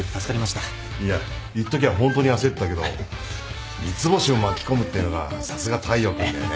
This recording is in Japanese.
いやいっときはホントに焦ったけど三ツ星を巻き込むってのがさすが大陽君だよね。